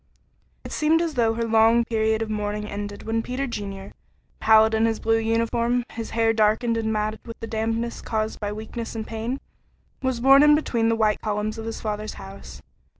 It seemed as though her long period of mourning ended when Peter Junior, pallid in his blue uniform, his hair darkened and matted with the dampness caused by weakness and pain, was borne in between the white columns of his father's house.